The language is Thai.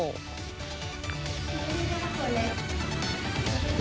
เธอเจอได้